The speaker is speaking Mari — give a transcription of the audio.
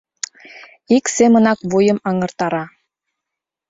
Ик семынак вуйым аҥыртара...